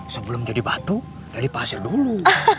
sebelum jadi batu dari pasir dulu